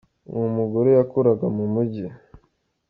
Uwo mugore yakoraga mu mujyi.